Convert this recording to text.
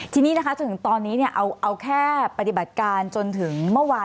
ทีนี้นะคะจนถึงตอนนี้เอาแค่ปฏิบัติการจนถึงเมื่อวาน